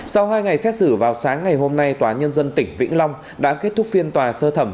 phép xử vào sáng ngày hôm nay tòa nhân dân tỉnh vĩnh long đã kết thúc phiên tòa sơ thẩm